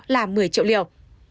là một mươi triệu liều